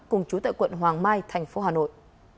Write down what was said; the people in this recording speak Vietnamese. cùng chú tại quận hoàng mai thành phố hà nội